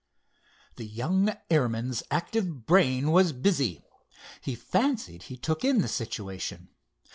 The young airman's active brain was busy. He fancied he took in the situation.